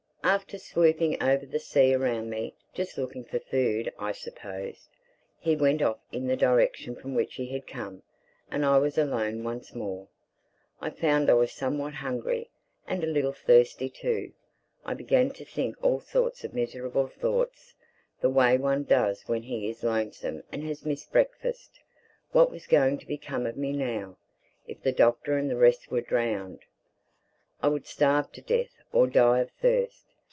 After swooping over the sea around me (just looking for food, I supposed) he went off in the direction from which he had come. And I was alone once more. I found I was somewhat hungry—and a little thirsty too. I began to think all sorts of miserable thoughts, the way one does when he is lonesome and has missed breakfast. What was going to become of me now, if the Doctor and the rest were drowned? I would starve to death or die of thirst.